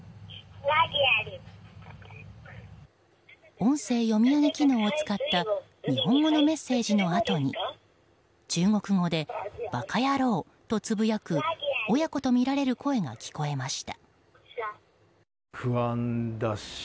音声読み上げ機能を使った日本語のメッセージのあとに中国語で、バカ野郎とつぶやく親子とみられる声が聞こえました。